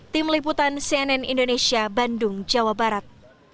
tim liputan cnn indonesia bandung jawa barat